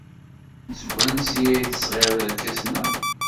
Seg wansi ay d-tesɣid irkasen-a?